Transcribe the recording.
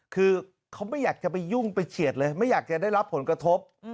คือเขาไม่อยากจะไปยุ่งไปเฉียดเลยไม่อยากจะได้รับผลกระทบ